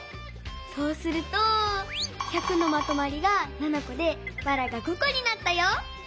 そうすると「１００」のまとまりが７こでばらが５こになったよ！